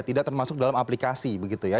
tidak termasuk dalam aplikasi begitu ya